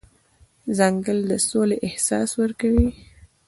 ځنګل د سولې احساس ورکوي.